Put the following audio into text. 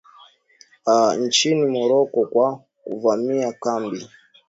aa nchini morocco kwa kuvamia kambi